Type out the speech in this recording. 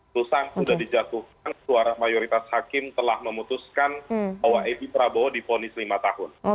tusang sudah dijatuhkan suara mayoritas hakim telah memutuskan bahwa edi prabowo diponis lima tahun